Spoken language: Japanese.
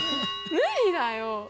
無理だよ。